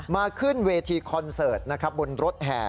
ขึ้นเวทีคอนเสิร์ตนะครับบนรถแห่